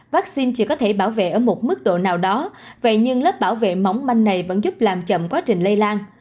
vaccine chỉ có thể bảo vệ ở một mức độ nào đó vậy nhưng lớp bảo vệ mỏng manh này vẫn giúp làm chậm quá trình lây lan